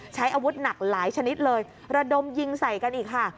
ใช้อาวุธหนักหลายชนิดเลยระดมยิงใส่กันอีกค่ะ